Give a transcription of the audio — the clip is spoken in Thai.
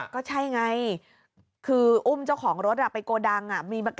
ก็ใช่ไงคืออุ้มเจ้าของรถไปโกดัง